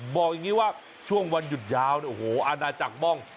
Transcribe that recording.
บอกอย่างนี้ว่าช่วงวันหยุดยาวเนี่ยโอ้โหอาณาจักรบ้อง